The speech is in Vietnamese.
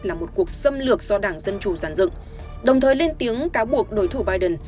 là một cuộc xâm lược do đảng dân chủ giàn dựng đồng thời lên tiếng cáo buộc đối thủ biden